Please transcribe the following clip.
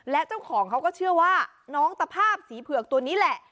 และเจ้าของเขาก็เชื่อว่าน้องตะภาพสีเผือกตัวนี้แหละ